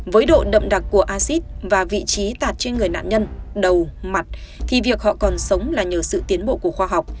với độ đậm đặc của acid và vị trí tạt trên người nạn nhân đầu mặt thì việc họ còn sống là nhờ sự tiến bộ của khoa học